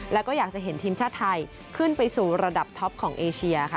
แล้วก็อยากจะเห็นทีมชาติไทยขึ้นไปสู่ระดับท็อปของเอเชียค่ะ